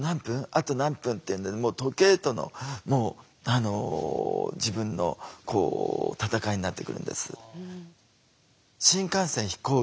あと何分」っていうんで時計との自分の闘いになってくるんです。